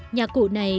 nhạc cụ này